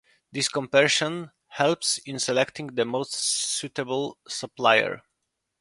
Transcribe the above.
This comparison helps in selecting the most suitable supplier.